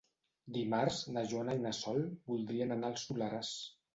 Dimarts na Joana i na Sol voldrien anar al Soleràs.